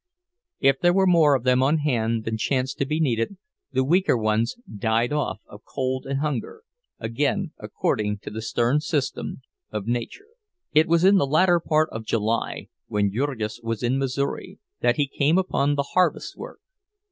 If there were more of them on hand than chanced to be needed, the weaker ones died off of cold and hunger, again according to the stern system of nature. It was in the latter part of July, when Jurgis was in Missouri, that he came upon the harvest work.